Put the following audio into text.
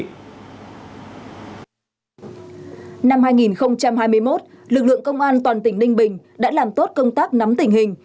năm hai nghìn hai mươi một lực lượng công an toàn tỉnh ninh bình đã làm tốt công tác nắm tình hình